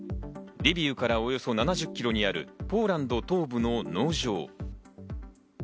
リビウからおよそ７０キロにあるポーランド東部の農場。